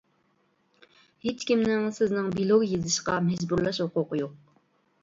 ھېچكىمنىڭ سىزنىڭ بىلوگ يېزىشقا مەجبۇرلاش ھوقۇقى يوق.